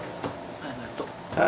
ありがとう。